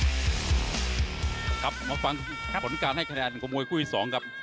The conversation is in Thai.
สวัสดีครับครับมาฟังครับผลการให้คะแนนกระโมยคุ้ยสองครับ